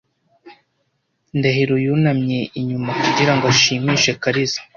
Ndahiro yunamye inyuma kugirango ashimishe Kariza .